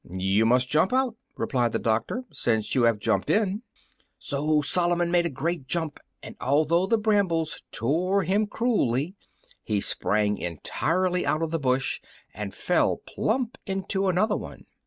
"You must jump out," replied the doctor, "since you have jumped in." So Solomon made a great jump, and although the brambles tore him cruelly, he sprang entirely out of the bush and fell plump into another one.